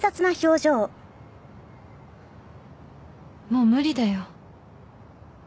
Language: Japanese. もう無理だよ。